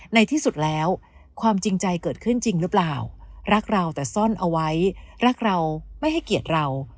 ในที่สุดแล้วความจริงใจเกิดขึ้นจริงหรือเปล่ารักเราแต่ซ่อนเอาไว้รักเราไม่ให้เกียรติเรา